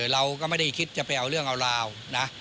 เราก็ไม่ได้คิดจะไปเอาเรื่องเอาราวนะ